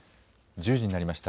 １０時になりました。